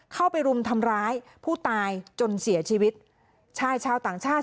เข้าไปรุมทำร้ายผู้ตายจนเสียชีวิตชายชาวต่างชาติ